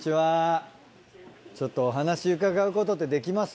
ちょっとお話伺うことってできます？